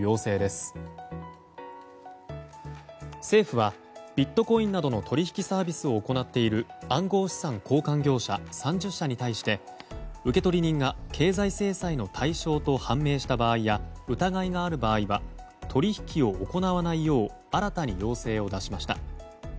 政府はビットコインなどの取引サービスを行っている暗号資産交換業者３０社に対して受取人が経済制裁の対象と判明した場合や疑いがある場合は取引を行わないよう新たに要請を出しました。